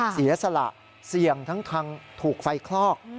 เสียสละเสี่ยงทั้งทางถูกไฟคลอก